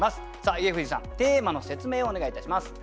家藤さんテーマの説明をお願いいたします。